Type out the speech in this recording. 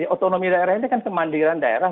otonomi daerah ini kan kemandiran daerah